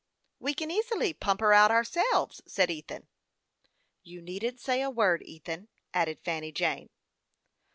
" We can easily pump her out ourselves," said Ethan. " You needn't say a word, Ethan," added Fanny Jane.